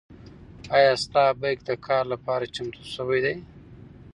ایا ستا بیک د کار لپاره چمتو شوی دی؟